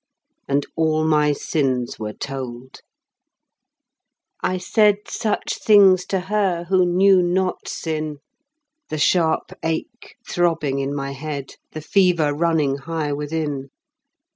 And all my sins were told; I said Such things to her who knew not sin The sharp ache throbbing in my head, The fever running high within.